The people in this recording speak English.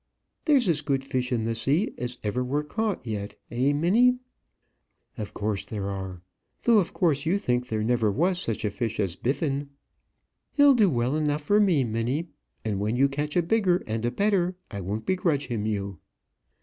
"There's as good fish in the sea as ever were caught yet; eh, Minnie?" "Of course there are. Though of course you think there never was such a fish as Biffin." "He'll do well enough for me, Minnie; and when you catch a bigger, and a better, I won't begrudge him you."